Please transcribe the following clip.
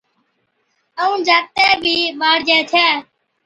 ائُون جاکَتي بِي ٻاڙجي ڇَي